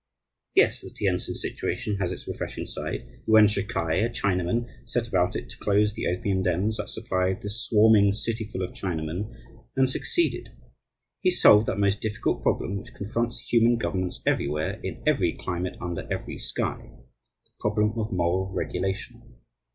Yes, the Tientsin situation has its refreshing side. Yuan Shi K'ai a Chinaman, set about it to close the opium dens that supplied this swarming cityful of Chinamen, and succeeded. He solved that most difficult problem which confronts human governments everywhere in every climate, under every sky the problem of moral regulation.